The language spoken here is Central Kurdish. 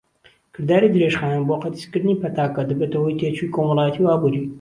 کرداری درێژخایەن بۆ قەتیسکردنی پەتاکە دەبێتە هۆی تێچووی کۆمەڵایەتی و ئابووری.